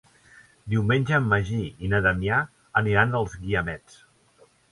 Diumenge en Magí i na Damià aniran als Guiamets.